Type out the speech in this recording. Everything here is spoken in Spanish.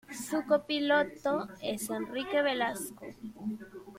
Su copiloto es Enrique Velasco.